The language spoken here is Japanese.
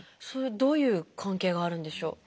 どういう関係があるんでしょう？